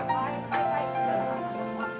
ah selamat datang